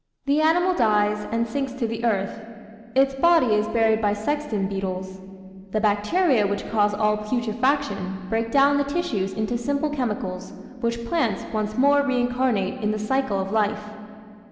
The animal dies and sinks to the earth ; its body is buried by sexton beetles ; the bacteria which cause all putrefaction break down the tissues into simple chemicals, which plants once more reincarnate in the cycle of life.